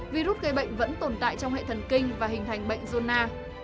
virus gây bệnh vẫn tồn tại trong hệ thần kinh và hình thành bệnh zona